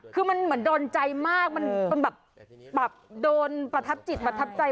คือมันเหมือนโดนใจมากมันแบบโดนประทับจิตประทับใจ